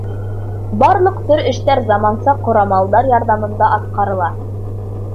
Барлыҡ төр эштәр заманса ҡорамалдар ярҙамында атҡарыла.